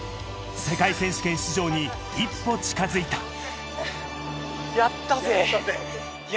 世界選手権出場に一歩近づいた。